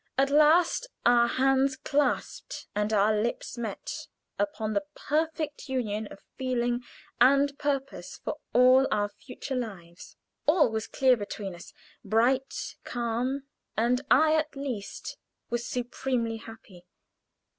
At last our hands clasped and our lips met upon the perfect union of feeling and purpose for all our future lives. All was clear between us, bright, calm; and I, at least, was supremely happy.